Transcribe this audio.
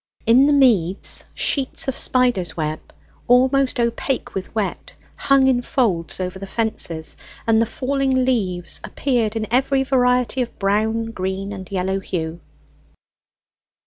In the meads, sheets of spiders' web, almost opaque with wet, hung in folds over the fences, and the falling leaves appeared in every variety of brown, green, and yellow hue.